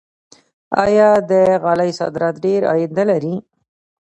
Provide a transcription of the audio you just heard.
آیا د غالیو صادرات ډیر عاید نلري؟